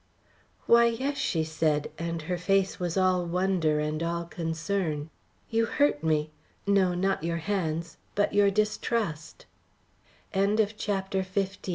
"Why, yes," she said, and her face was all wonder and all concern. "You hurt me no, not your hands, but your distrust." CHAPTER XVI AN UNSATISFACTORY